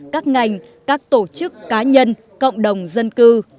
các ngành các tổ chức cá nhân cộng đồng dân cư